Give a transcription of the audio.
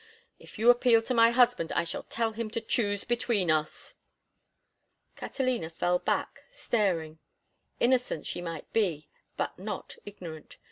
If you appeal to my husband I shall tell him to choose between us." Catalina fell back, staring. Innocent she might be but not ignorant.